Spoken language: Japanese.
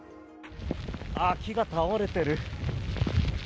木が倒れている。